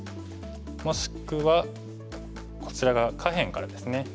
もしくはこちら側下辺からですね